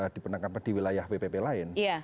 di penangkapan di wilayah wpp lain